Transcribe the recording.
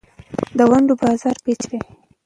د ونډو بازار پېچلی دی.